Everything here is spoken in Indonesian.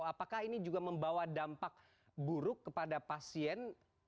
apakah ini juga membawa dampak buruk kepada pasien